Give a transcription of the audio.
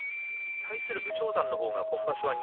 対する武将山のほうは今場所